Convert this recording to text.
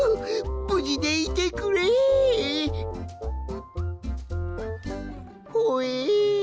ぶじでいてくれ！ほえ！？